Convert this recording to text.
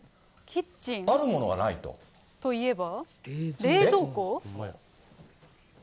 あるものがないと。といえば？